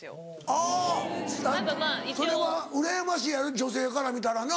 あぁそれはうらやましいやろ女性から見たらな。